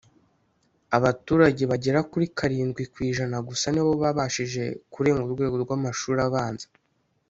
abaturage bagera kuri karindwi ku ijana gusa ni bo babashije kurenga urwego rw'amashuri abanza,